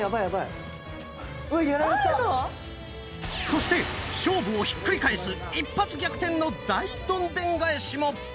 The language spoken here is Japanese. そして勝負をひっくり返す一発逆転の大どんでん返しも！